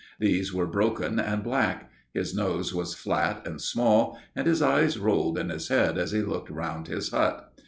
These were broken and black. His nose was flat and small, and his eyes rolled in his head as he looked round his hut.